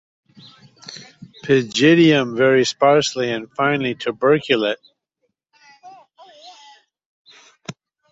Pygidium very sparsely and finely tuberculate.